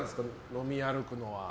飲み歩くのは。